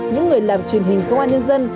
những người làm truyền hình công an nhân dân